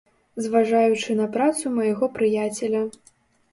Зважаючы на працу майго прыяцеля.